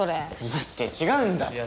待って違うんだって。